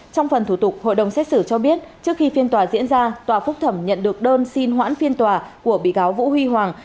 trong phần thủ tục hội đồng xét xử cho biết trước khi phiên tòa diễn ra tòa phúc thẩm nhận được đơn xin hoãn phiên tòa của bị cáo vũ huy hoàng